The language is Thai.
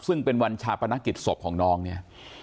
ซึ่งเป็นวันชาปนกิจศพของน้องเนี่ย